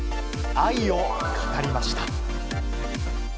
愛を語りました。